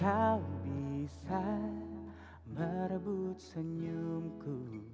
kau bisa merebut senyumku